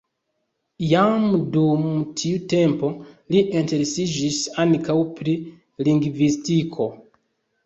Jam dum tiu tempo li interesiĝis ankaŭ pri lingvistiko.